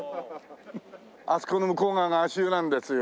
あそこの向こう側が足湯なんですよ。